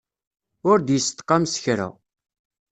Ur d-yestqam s kra.